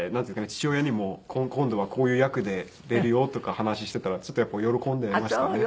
父親にも今度はこういう役で出るよとか話していたらちょっとやっぱり喜んでいましたね。